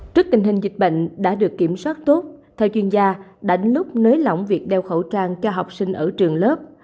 trước tình hình dịch bệnh đã được kiểm soát tốt theo chuyên gia đã đến lúc nới lỏng việc đeo khẩu trang cho học sinh ở trường lớp